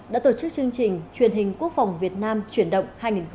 đã tổ chức chương trình truyền hình quốc phòng việt nam chuyển động hai nghìn một mươi chín